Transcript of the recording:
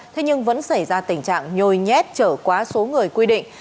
thế nhưng vẫn xảy ra tình trạng nhồi nhét chở quá số người quy định